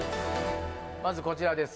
まずこちらです